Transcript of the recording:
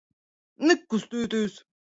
Nekustēties!